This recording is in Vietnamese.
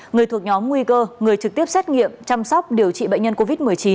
người thuộc nhóm nguy cơ người trực tiếp xét nghiệm chăm sóc điều trị bệnh nhân covid một mươi chín